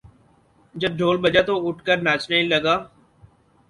جب ڈھول بجا تو اٹھ کر ناچنے لگا